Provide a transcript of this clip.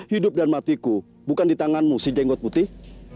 hidup dan matiku bukan di tanganmu si jenggot putih